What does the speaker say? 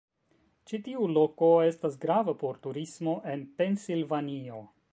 Ĉi tiu loko estas grava por turismo en Pensilvanio.